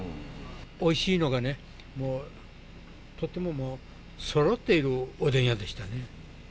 おいしいのがね、とてもそろっているおでん屋でしたね。